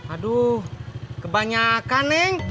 aduh kebanyakan neng